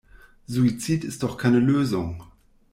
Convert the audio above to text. Suizid ist doch keine Lösung.